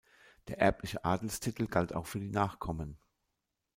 Der erbliche Adelstitel galt auch für die Nachkommen.